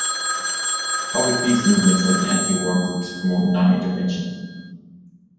Public peace movements like the anti-war groups promote non-interventionism.